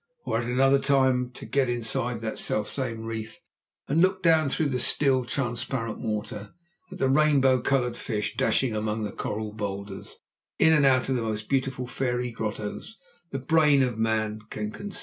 Or at another time to get inside that selfsame reef and look down through the still, transparent water, at the rainbow coloured fish dashing among the coral boulders, in and out of the most beautiful fairy grottos the brain of man can conceive."